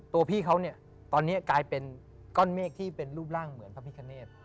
พี่เขาเนี่ยตอนนี้กลายเป็นก้อนเมฆที่เป็นรูปร่างเหมือนพระพิคเนต